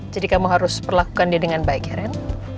jadi kamu harus perlakukan dia dengan baik ya ren